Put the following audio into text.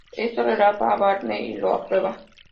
Esto relaja a Barney y lo aprueba.